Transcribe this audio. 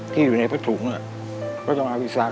ที่อยู่ในปัจจุงก็จะมาอาวิสัก